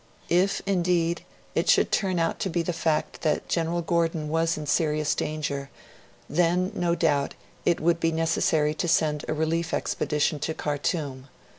If, indeed, it should turn out to be the fact that General Gordon was in serious danger, then, no doubt, it would be necessary to send a relief expedition to Khartoum.